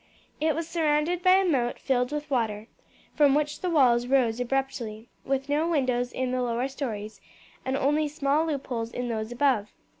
It was surrounded by a moat filled with water, from which the walls rose abruptly, with no windows in the lower stories and only small loopholes in those above.